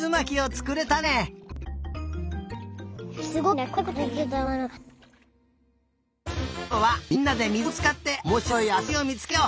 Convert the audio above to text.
きょうはみんなでみずをつかっておもしろいあそびをみつけよう。